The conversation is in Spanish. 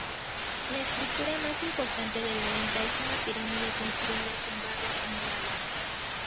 La estructura más importante de La Venta es una pirámide construida con barro acumulado.